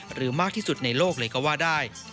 มากที่สุดในโลกเลยก็ว่าได้